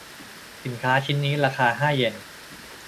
สินค้าชิ้นนี้ราคาห้าเยน